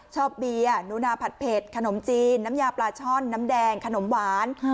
ชอบเบียร์หนูนาผัดเผ็ดขนมจีนน้ำยาปลาช่อนน้ำแดงขนมหวาน